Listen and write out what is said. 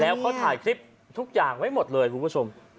แล้วเขาถ่ายคลิปทุกอย่างไว้หมดเลยคุณผู้ชม